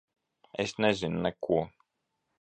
Es nezinu. Neko.